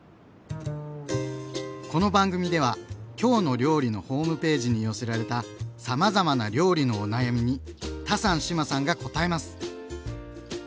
この番組では「きょうの料理」のホームページに寄せられたさまざまな料理のお悩みにタサン志麻さんがこたえます！